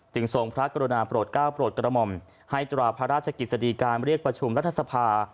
ทรงพระกรุณาโปรดก้าวโปรดกระหม่อมให้ตราพระราชกิจสดีการเรียกประชุมรัฐสภา